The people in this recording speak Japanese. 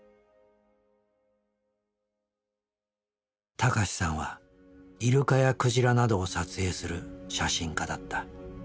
孝さんはイルカやクジラなどを撮影する写真家だった。